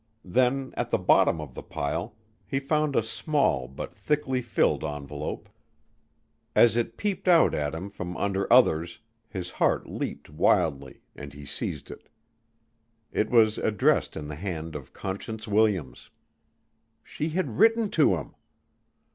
Then at the bottom of the pile he found a small but thickly filled envelope. As it peeped out at him from under others his heart leaped wildly and he seized it. It was addressed in the hand of Conscience Williams. She had written to him!